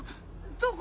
どこ？